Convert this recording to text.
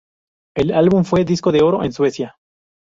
El álbum fue disco de oro en Suecia.